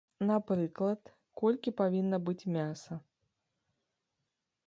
Напрыклад, колькі павінна быць мяса.